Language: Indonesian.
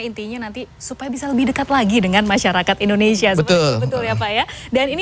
intinya nanti supaya bisa lebih dekat lagi dengan masyarakat indonesia betul ya pak ya dan ini